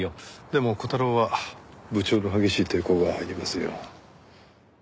でも虎太郎は部長の激しい抵抗が入りますよ。